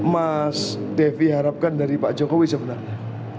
mas devi harapkan dari pak jokowi sebenarnya